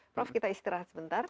prof kita istirahat sebentar